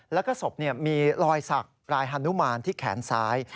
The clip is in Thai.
แล้วก็ศพมีรอยสักรายฮานุมานที่แขนซ้าย